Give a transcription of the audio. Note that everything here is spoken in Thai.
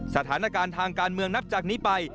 สถานการณ์ทางการเมืองนับจากนี้ไป